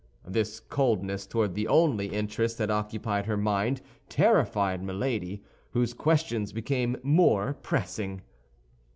This coldness toward the only interests that occupied her mind terrified Milady, whose questions became more pressing.